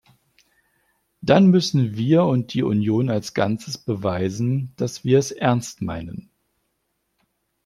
Dann müssen wir und die Union als Ganzes beweisen, dass wir es ernst meinen.